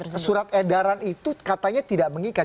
bang rufinus surat edaran itu katanya tidak mengikat